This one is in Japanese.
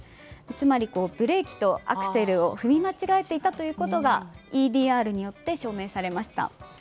つまり、ブレーキとアクセルを踏み間違えていたということがＥＤＲによって証明されました。